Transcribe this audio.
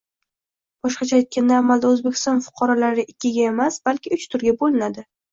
Boshqacha aytganda, amalda O'zbekiston fuqarolari ikkiga emas, balki uch turga bo'linadi